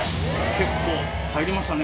結構入りましたね。